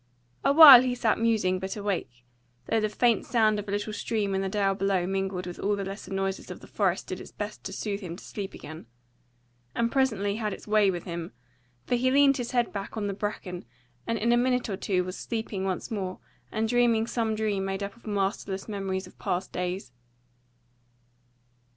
A while he sat musing but awake, though the faint sound of a little stream in the dale below mingled with all the lesser noises of the forest did its best to soothe him to sleep again: and presently had its way with him; for he leaned his head back on the bracken, and in a minute or two was sleeping once more and dreaming some dream made up of masterless memories of past days.